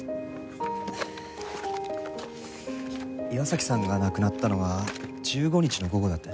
岩崎さんが亡くなったのは１５日の午後だったよね。